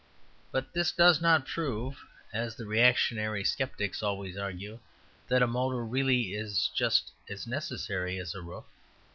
But this does not prove (as the reactionary sceptics always argue) that a motor really is just as necessary as a roof.